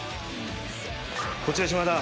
こちら島田。